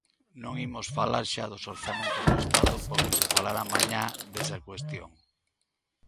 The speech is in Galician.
Non imos falar xa dos orzamentos do Estado porque se falará mañá desa cuestión.